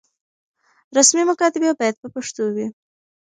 رسمي مکاتبې بايد په پښتو وي.